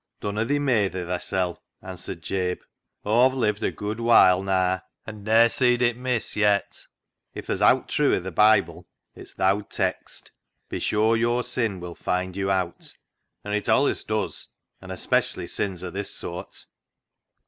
" Dunna thee meyther thysel'," answered Jabe. " Aw've lived a good while naa, an' Aw ne'er seed it miss yet. If ther's owt trew i' th' Bible it's th' owd text, * Be sure your sin will find you out,' an' it allis does — an' especially sins o' this soart."